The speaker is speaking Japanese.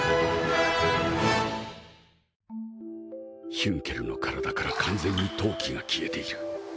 ヒュンケルの体から完全に闘気が消えている。